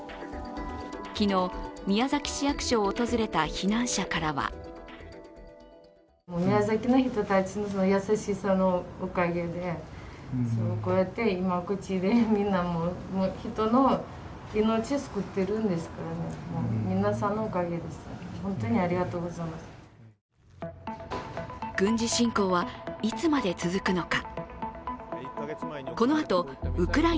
昨日、宮崎市役所を訪れた避難者からは軍事侵攻はいつまで続くのか。